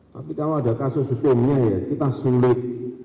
tapi kalau ada kasus hukumnya ya kita sulit